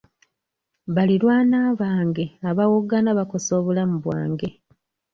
Baliraanwa bange abawoggana bakosa obulamu bwange.